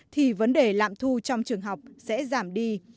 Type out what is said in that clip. thì vấn đề lạm thu trong trường học sẽ giảm đi